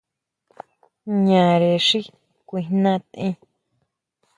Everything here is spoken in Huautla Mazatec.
Ñare xi kuijná tʼen.